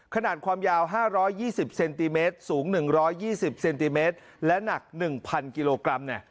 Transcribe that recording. ขนาดความยาว๕๒๐เซนติเมตรสูง๑๒๐เซนติเมตรและหนัก๑๐๐กิโลกรัม